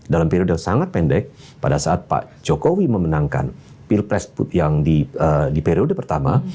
dalam periode yang sangat pendek pada saat pak jokowi memenangkan pilpres yang di periode pertama